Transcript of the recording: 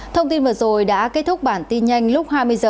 thông tin vừa rồi đã kết thúc bản tin nhanh lúc hai mươi h